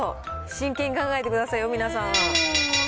真剣に考えてくださいよ、皆さん。